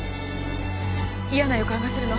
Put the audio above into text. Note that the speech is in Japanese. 嫌な予感がするの。